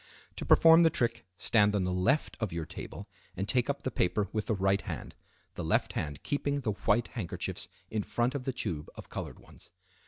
To perform the trick stand on the left of your table and take up the paper with the right hand, the left hand keeping the white handkerchiefs in front of the tube of colored ones.